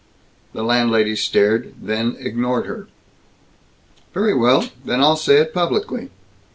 The landlady stared, then ignored her. "Very well. Then I'll say it publicly!"